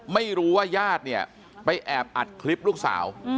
ไม่รู้ว่าญาติไปแอบอัดคลิปลูกสาว